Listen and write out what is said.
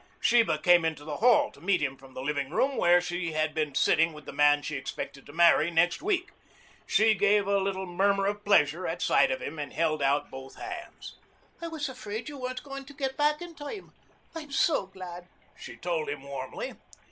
Sheba came into the hall to meet him from the living room where she had been sitting with the man she expected to marry next week. She gave a little murmur of pleasure at sight of him and held out both hands. "I was afraid you weren't going to get back in time. I'm so glad," she told him warmly.